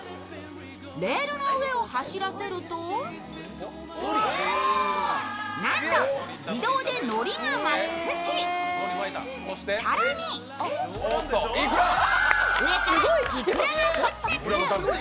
レールの上を走らせるとなんと、自動でのりが巻き付き、更に上からいくらが降ってくる！